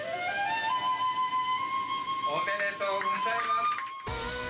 ・おめでとうございます！